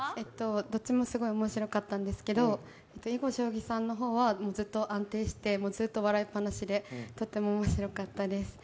どちらも面白かったんですけど囲碁将棋さんの方はずっと安定して、笑いっぱなしでとても面白かったです。